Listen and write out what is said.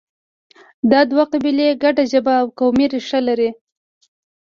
دا دوه قبیلې ګډه ژبه او قومي ریښه لري.